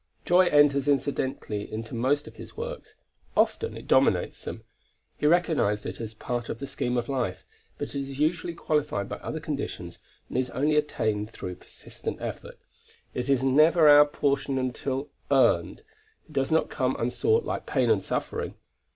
Joy enters incidentally into most of his works. Often it dominates them. He recognized it as part of the scheme of life, but it is usually qualified by other conditions and is only attained through persistent effort; it is never our portion until earned. It does not come unsought like pain and suffering.